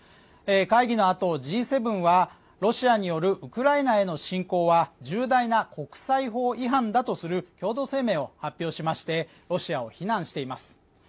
会議のあとＧ７はロシアによるウクライナへの侵攻は重大な国際法違反だとする共同声明を発表しましてロシアを非難しています。